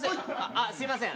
あっすいません。